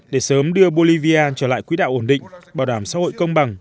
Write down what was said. để sớm đưa bolivia trở lại quý đạo ổn định bảo đảm xã hội công bằng